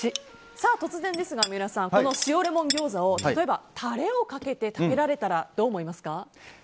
突然ですが、三浦さんこの塩レモン餃子を例えばタレをかけられて食べられたらどう思いますか？